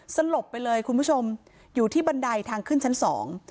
สลบไปเลยคุณผู้ชมอยู่ที่บันไดทางขึ้นชั้นสอง